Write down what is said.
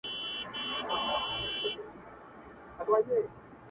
په داسي خوب ویده دی چي راویښ به نه سي-